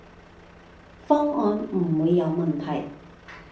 方案唔會有問題